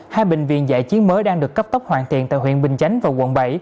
hai bệnh viện giải chiến mới đang được cấp tốc hoàn thiện tại huyện bình chánh và quận bảy